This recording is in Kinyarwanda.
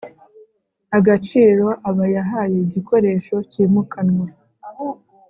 agaciro aba yahaye igikoresho cyimukanwa